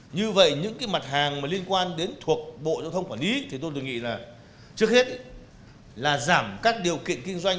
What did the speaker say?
như vậy những cái mặt hàng liên quan đến thuộc bộ giao thông quản lý thì tôi đề nghị là trước hết là giảm các điều kiện kinh doanh